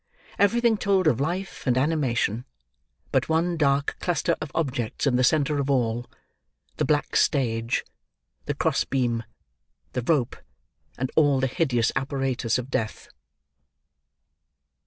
Everything told of life and animation, but one dark cluster of objects in the centre of all—the black stage, the cross beam, the rope, and all the hideous apparatus of death.